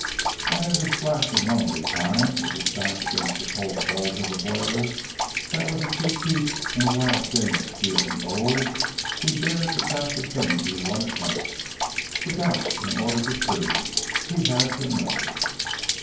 And in this black and lonely time with his back against the cold bulge of a boiler that was a key piece in a wild game of steel and gold, he dared to doubt the thing he wanted most. To doubt in order to prove. He had to know.